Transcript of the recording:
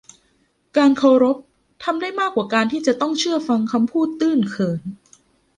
การเคารพทำได้มากกว่าการที่จะต้องเชื่อฟังคำพูดตื้นเขิน